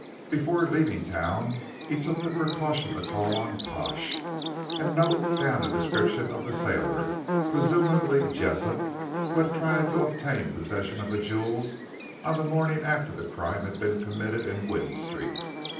Before leaving town he took the precaution to call on Pash and note down a description of the sailor presumably Jessop who had tried to obtain possession of the jewels on the morning after the crime had been committed in Gwynne Street.